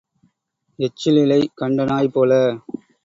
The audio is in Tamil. எச்சில் இலை கண்ட நாய் போல.